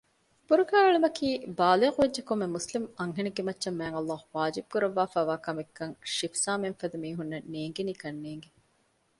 ބުރުގާ އެޅުމަކީ ބާލިޣުވެއްޖެ ކޮންމެ މުސްލިމް އަންހެނެއްގެ މައްޗަށް މާތްﷲ ވާޖިބު ކުރައްވާފައިވާ ކަމެއްކަން ޝިފްޒާމެންފަދަ މީހުންނަށް ނޭނގެނީކަންނޭނގެ